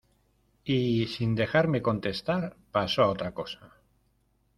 Y sin dejarme contestar pasó a otra cosa.